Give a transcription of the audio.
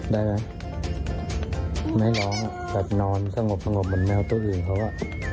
ได้ไหมไม่ร้องอ่ะแบบนอนสงบบนแมวตู้หญิงเขาอ่ะ